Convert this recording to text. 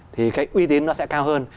thì cái uy tín nó sẽ cao hơn